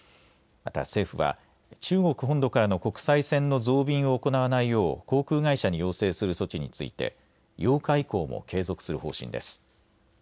また政府は中国本土からの国際線の増便を行わないよう航空会社に要請する措置について８日以降も継続する方針です。